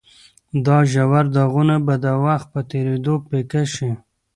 دا ژور داغونه به د وخت په تېرېدو پیکه شي.